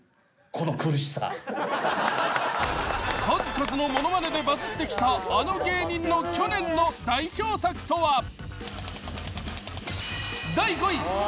数々のものまねでバズってきたあの芸人の去年の代表作とは？